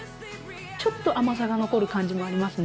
ちょっと甘さが残る感じもありますね。